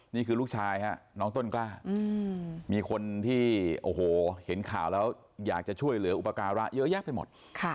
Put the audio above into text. นี่คือลูกชายฮะน้องต้นกล้ามีคนที่โอ้โหเห็นข่าวแล้วอยากจะช่วยเหลืออุปการะเยอะแยะไปหมด